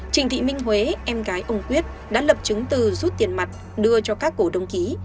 trịnh thị minh huế em gái ông quyết đã lập chứng từ rút tiền mặt đưa cho các cổ đông ký